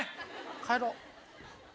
帰ろう。